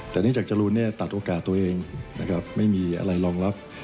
แต่เนื่องจากจรูนตัดโอกาสตัวเองนะครับไม่มีอะไรรองรับ